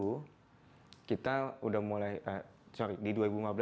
yang tadinya senior senior ini diganti sama kita kita anak muda